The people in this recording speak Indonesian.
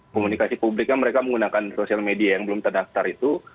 komunikasi publiknya mereka menggunakan sosial media yang belum terdaftar itu